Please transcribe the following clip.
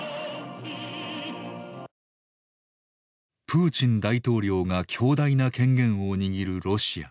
プーチン大統領が強大な権限を握るロシア。